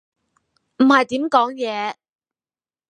唔係點講嘢